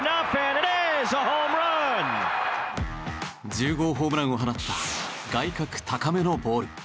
１０号ホームランを放った外角高めのボール。